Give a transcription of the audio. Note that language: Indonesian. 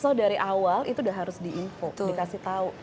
so dari awal itu udah harus diinfo dikasih tahu